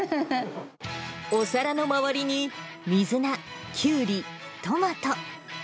お皿の周りに水菜、キュウリ、トマト。